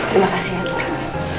terima kasih mas